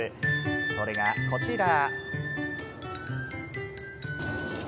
それがこちら。